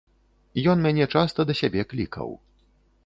Ён мяне часта да сябе клікаў.